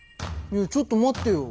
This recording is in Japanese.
ちょっと待ってよ。